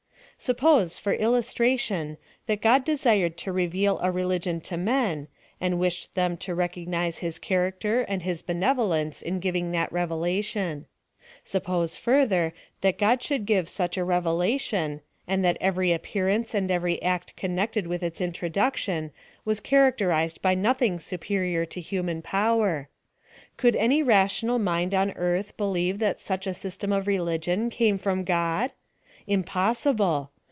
Suppose, for illustration, that God desired to reveal a religion to men, and wished them to re coofuize his character and his benevolence in oivinor tliat revelation. Suppose, further, that God should give such a revelation, and that every appearance and every act connected with its introduction, was characterized by nothing superior to human power : Could any rational mind on earth believe that such a system of religion came from God ? Impossible